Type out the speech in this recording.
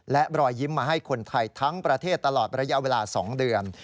และรอยยิ้มมาให้คนไทยทั้งประเทศตลอดระยะเวลา๒เดือน